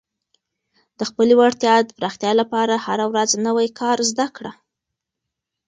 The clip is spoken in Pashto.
د خپلې وړتیا پراختیا لپاره هره ورځ نوی کار زده کړه.